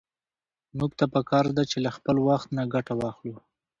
موږ ته په کار ده چې له خپل وخت نه ګټه واخلو.